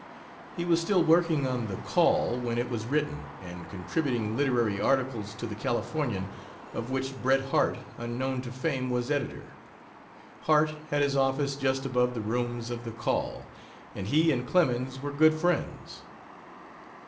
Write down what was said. He was still working on the Call when it was written, and contributing literary articles to the Californian, of which Bret Harte, unknown to fame, was editor. Harte had his office just above the rooms of the Call, and he and Clemens were good friends.